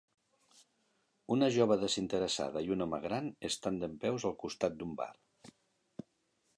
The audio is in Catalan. Una jove desinteressada i un home gran estan dempeus al costat d'un bar.